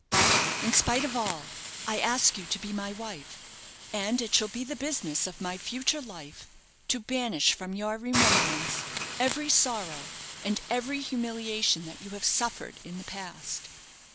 But, in spite of all, I ask you to be my wife; and it shall be the business of my future life to banish from your remembrance every sorrow and every humiliation that you have suffered in the past.